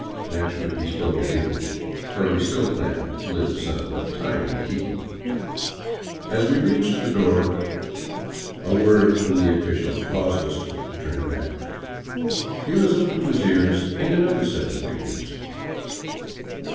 Naturally, he spoke in English, for we still planned to live some time in Quito. VAGABONDING DOWN THE ANDES As we reached the door, a word from the official caused us to turn back. He was up to his ears in another set of figures.